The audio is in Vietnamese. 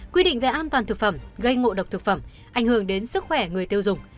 quy định về an toàn thực phẩm gây ngộ độc thực phẩm ảnh hưởng đến sức khỏe người tiêu dùng